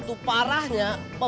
terima kasih nyaka